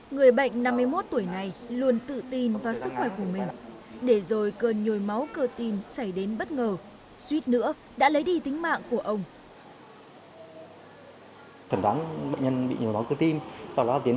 người bệnh năm mươi một tuổi này luôn tự tin vào sức khỏe của mình để rồi cơn nhồi máu cơ tim xảy đến bất ngờ suýt nữa đã lấy đi tính mạng của ông